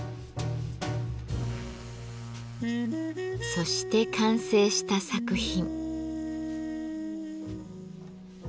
そして完成した作品。